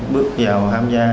bước vào hạm gia